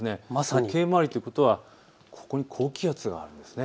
時計回りということは、ここに高気圧があるんです。